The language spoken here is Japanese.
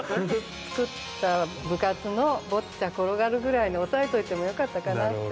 「つくった部活のボッチャ転がる」ぐらいにおさえといてもよかったかなって。